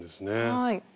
はい。